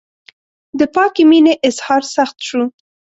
د پاکې مینې اظهار سخت شو.